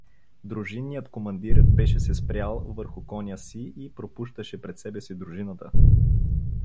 Дружинният командир беше се спрял върху коня си и пропущаше пред себе си дружината.